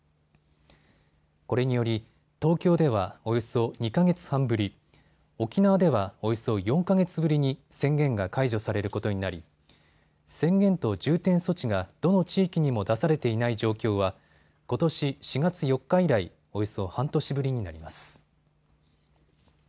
これにより東京ではおよそ２か月半ぶり、沖縄ではおよそ４か月ぶりに宣言が解除されることになり宣言と重点措置が、どの地域にも出されていない状況はことし４月４日以来、およそ半年ぶりになります。